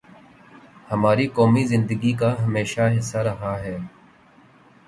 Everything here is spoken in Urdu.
ہماری قومی زندگی کا ہمیشہ حصہ رہا ہے۔